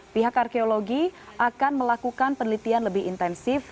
pihak arkeologi akan melakukan penelitian lebih intensif